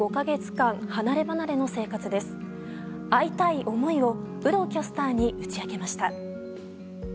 会いたい思いを有働キャスターに打ち明けました。